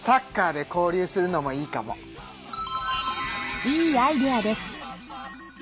いいアイデアです。